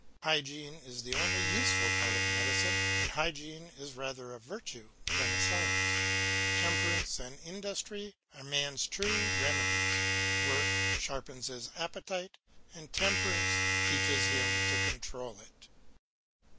Hygiene is the only useful part of medicine, and hygiene is rather a virtue than a science. Temperance and industry are man's true remedies; work sharpens his appetite and temperance teaches him to control it.